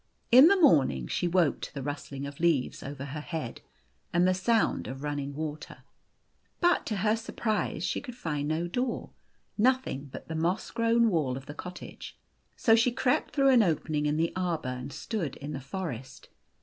In the morning she woke to the rustling of leaves CJ O over her head, and the sound of running water. But, to her surprise, she could find no door nothing but the moss grown wall of the cottage. So she crept through an opening in the arbour, and stood in the forest.